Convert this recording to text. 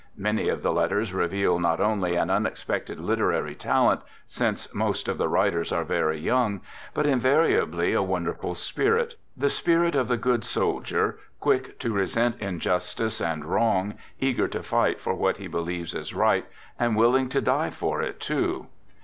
Many of the letters reveal not only an unexpected literary talent, since most of the writ ers are very young, but invariably a wonderful spirit: the spirit of " the good soldier " quick to re sent injustice and wrong, eager to fight for what he believes is right, and willing to die for it, too.